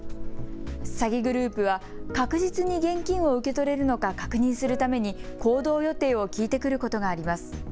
詐欺グループは確実に現金を受け取れるのか確認するために行動予定を聞いてくることがあります。